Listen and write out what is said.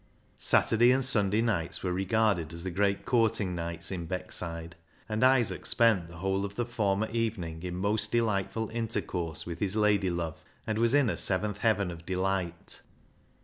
Saturday and Sunday nights were regarded as the great courting nights in Beckside, and Isaac spent the whole of the former evening in most delightful intercourse with his lady love, and was in a seventh heaven of delight.